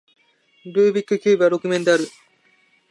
ルービックキューブは六面である